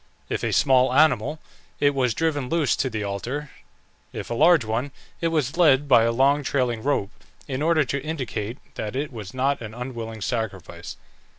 If a small animal, it was driven loose to the altar; if a large one, it was led by a long trailing rope, in order to indicate that it was not an unwilling sacrifice.